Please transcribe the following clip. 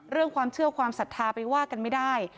เรื่องความเชื่อความศรัทธาไปว่ากันไม่ได้